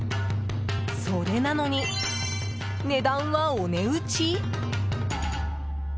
それなのに値段はお値打ち？